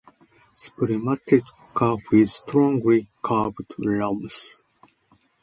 Spermatheca with strongly curved ramus.